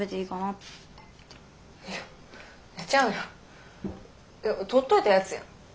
いやちゃうやん。